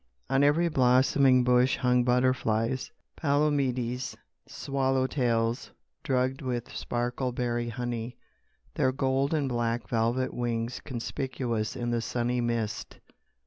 On every blossoming bush hung butterflies—Palomedes swallowtails—drugged with sparkle berry honey, their gold and black velvet wings conspicuous in the sunny mist.